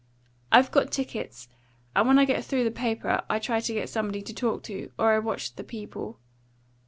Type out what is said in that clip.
"I've got tickets. And when I get through the paper, I try to get somebody to talk to, or I watch the people.